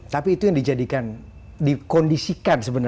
tapi itu yang dikondisikan